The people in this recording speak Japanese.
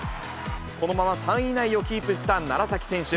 このまま３位以内をキープした楢崎選手。